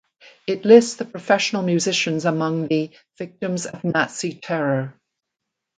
It lists the professional musicians among the "victims of Nazi terror".